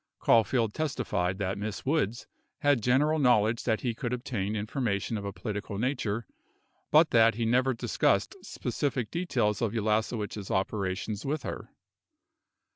37 Caulfield testified that Miss Woods had general knowledge that he could obtain information of a political nature, but that he never discussed specific details of Ulasewicz' operations with her.